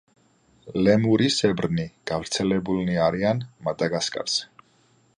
ლემურისებრნი გავრცელებულნი არიან მადაგასკარზე.